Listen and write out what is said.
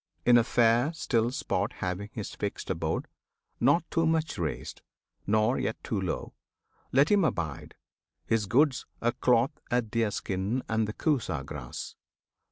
In a fair, still spot Having his fixed abode, not too much raised, Nor yet too low, let him abide, his goods A cloth, a deerskin, and the Kusa grass.